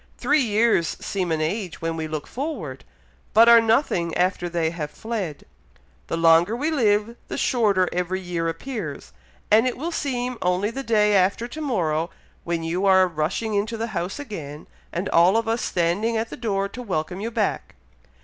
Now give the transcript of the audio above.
Three years seem an age when we look forward, but are nothing after they have fled. The longer we live, the shorter every year appears, and it will seem only the day after to morrow when you are rushing into the house again, and all of us standing at the door to welcome you back.